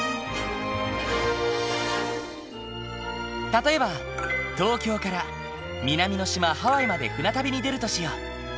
例えば東京から南の島ハワイまで船旅に出るとしよう。